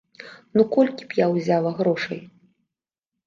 Ну, колькі б я ўзяла грошай?